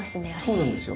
そうなんですよ。